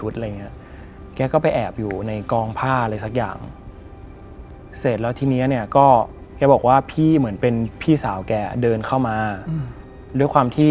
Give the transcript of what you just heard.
ตอนแรกอยู่ไปก็ปกติ